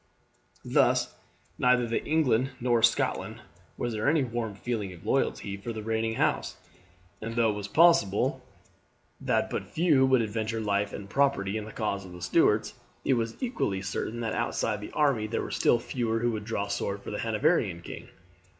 Thus neither in England nor Scotland was there any warm feeling of loyalty for the reigning house; and though it was possible that but few would adventure life and property in the cause of the Stuarts, it was equally certain that outside the army there were still fewer who would draw sword for the Hanoverian king.